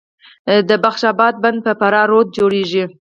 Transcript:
د بخش اباد بند په فراه رود جوړیږي